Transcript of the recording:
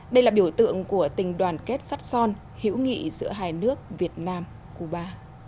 đây là biểu tượng của tình đoàn kết sắt son hữu nghị giữa hai nước việt nam cuba